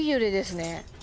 ね。